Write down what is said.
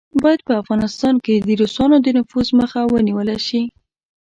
باید په افغانستان کې د روسانو د نفوذ مخه ونیوله شي.